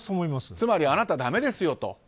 つまり、あなたはだめですよと。